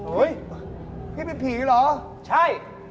โอ๊ยพี่เป็นผีหรือใช่